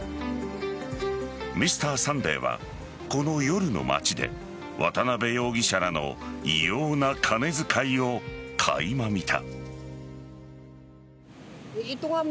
「Ｍｒ．サンデー」はこの夜の街で渡辺容疑者乱の異様な金遣いをかいま見た。